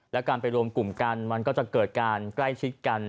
และการไปรวมกลุ่มกันมันก็จะเกิดการใกล้ชิดกัน